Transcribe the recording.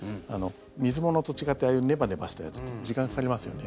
水物と違ってああいうネバネバしたやつって時間がかかりますよね。